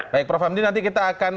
baik prof hamdi nanti kita akan